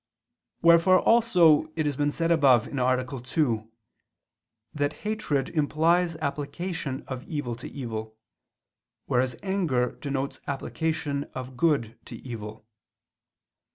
Wherefore also it has been said above (A. 2) that hatred implies application of evil to evil, whereas anger denotes application of good to evil.